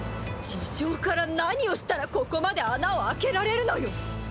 地上から何をしたらここまで穴を開けられるのよ！